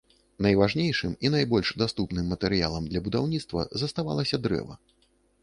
Найважнейшым і найбольш даступным матэрыялам для будаўніцтва заставалася дрэва.